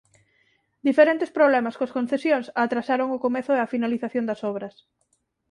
Diferentes problemas coas concesións atrasaron o comezo e a finalización das obras.